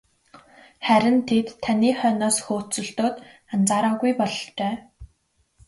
Харин тэд таны хойноос хөөцөлдөөд анзаараагүй бололтой.